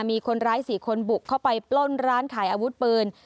มีคนร้าย๔คนบุกเข้าไปปล้นร้านขายอาวุธปืน